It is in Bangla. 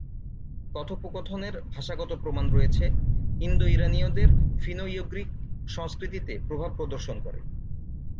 কথোপকথনের ভাষাগত প্রমাণ রয়েছে, ইন্দো-ইরানীয়দের ফিনো-ইউগ্রিক সংস্কৃতিতে প্রভাব প্রদর্শন করে।